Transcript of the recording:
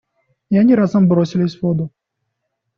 И они разом бросились в воду.